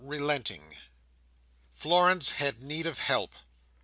Relenting Florence had need of help.